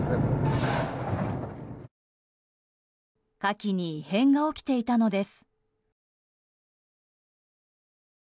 カキに異変が起きていたのです。